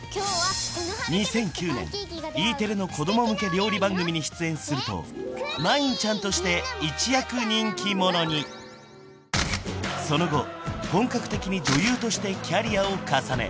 ２００９年Ｅテレの子供向け料理番組に出演するとまいんちゃんとして一躍人気者にその後本格的に女優としてキャリアを重ね